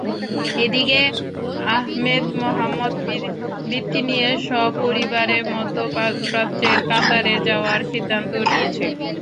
এদিকে আহমেদ মোহাম্মদ বৃত্তি নিয়ে সপরিবারে মধ্যপ্রাচ্যের কাতারে যাওয়ার সিদ্ধান্ত নিয়েছে।